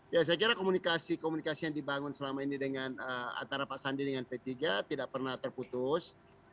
ya saya kira komunikasi komunikasi yang dibangun selama ini dengan antara pak sandi dengan p tiga tidak pernah terputus